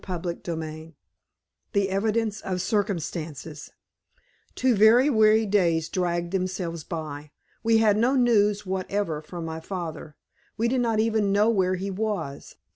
CHAPTER XXVI THE EVIDENCE OF CIRCUMSTANCES Two very weary days dragged themselves by. We had no news whatever from my father. We did not even know where he was.